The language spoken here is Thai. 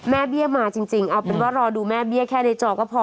เบี้ยมาจริงเอาเป็นว่ารอดูแม่เบี้ยแค่ในจอก็พอ